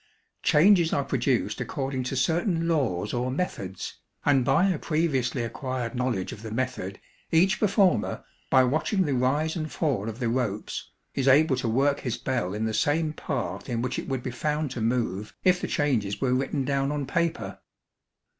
Changes are produced according to certain laws or 'methods;' and by a previously acquired knowledge of the method, each performer, by watching the rise and fall of the ropes, is able to work his bell in the same path in which it would be found to move if the changes were written down on paper.